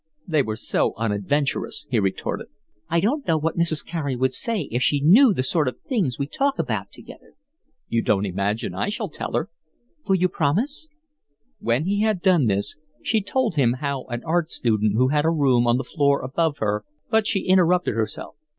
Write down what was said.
"They were so unadventurous," he retorted. "I don't know what Mrs. Carey would say if she knew the sort of things we talk about together." "You don't imagine I shall tell her." "Will you promise?" When he had done this, she told him how an art student who had a room on the floor above her—but she interrupted herself.